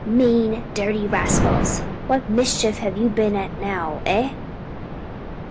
mean dirty rascals, what mischief have you been at now, eh?"